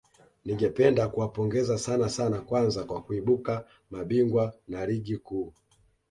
Ningependa kuwapongeza sana sana kwanza kwa kuibuka mabingwa na ligi kuu